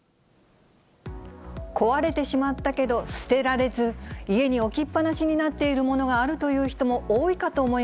壊れてしまったけど、捨てられず、家に置きっぱなしになっているものがあるという人も多いかと思い